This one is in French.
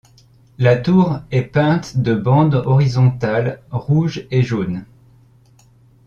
La tour est peinte de bandes horizontales rouges et jaunes.